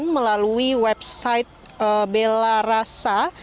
melalui website bela rasa